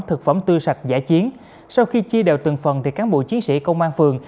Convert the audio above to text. thực phẩm tươi sạch giải chiến sau khi chia đều từng phần thì cán bộ chiến sĩ công an phường